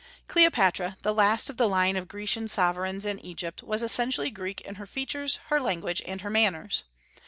Cleopatra, the last of the line of Grecian sovereigns in Egypt, was essentially Greek in her features, her language, and her manners.